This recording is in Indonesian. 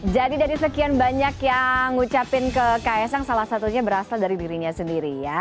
jadi dari sekian banyak yang ngucapin ke ks ang salah satunya berasal dari dirinya sendiri ya